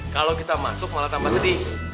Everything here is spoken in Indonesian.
kalau kita masuk malah tambah sedih